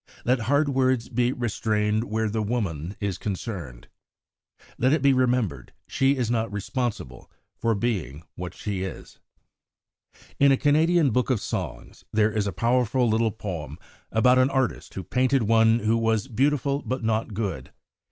Let hard words be restrained where the woman is concerned. Let it be remembered she is not responsible for being what she is. In a Canadian book of songs there is a powerful little poem about an artist who painted one who was beautiful but not good.